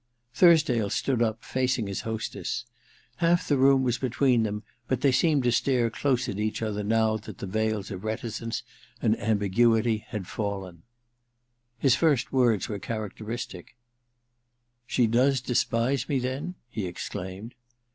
Thursdale stood up, facing his hostess. Half the room was between them, but they seemed to stare close at each other now that the veils of reticence and ambiguity had fallen. I 278 THE DILETTANTE His first words were characteristic :* She Jaes despise me, then ?' he exclaimed.